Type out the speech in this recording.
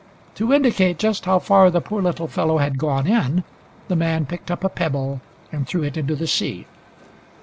To indicate just how far the poor little fellow had gone in, the man picked up a pebble and threw it into the sea.